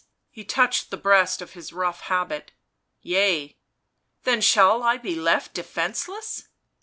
He touched the breast of his rough habit. "Yea." "Then shall I be left defenceless."